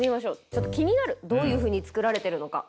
ちょっと気になるどういうふうに作られてるのか。